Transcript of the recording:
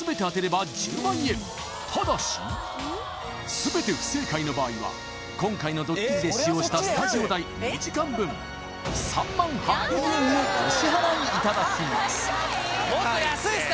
ただし全て不正解の場合は今回のドッキリで使用したスタジオ代２時間分３万８００円をお支払いいただきます